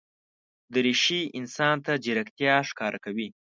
دریشي انسان ته ځیرکتیا ښکاره کوي.